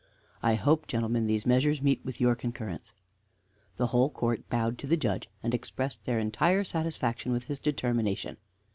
I hope, gentlemen, these measures meet with your concurrence." The whole court bowed to the Judge, and expressed their entire satisfaction with his determination.